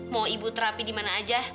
mau ibu terapi di mana aja